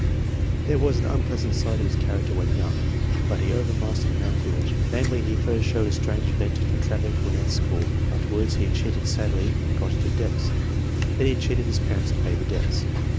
There was an unpleasant side to his character when young, but he overmastered and outgrew it. Namely, he first showed a strange bent to traffic when at school ; afterwards he cheated sadly, and got into debts ; then he cheated his parents to pay the debts.